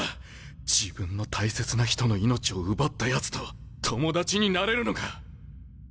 自分の大切な人の命を奪った奴と友達になれるのか？